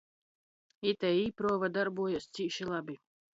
Itei īpruova dorbojās cīši labi.